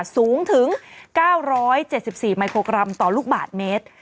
สูงถึง๙๗๔มิโครกรัมต่อลูกบาทเมตร